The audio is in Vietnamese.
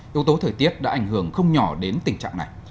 yếu tố thời tiết đã ảnh hưởng không nhỏ đến tình trạng này